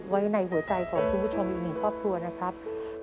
ไว้ในหัวใจของคุณผู้ชมอีกหนึ่งครอบครัวนะครับ